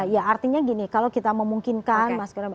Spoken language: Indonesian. ya artinya gini kalau kita memungkinkan masker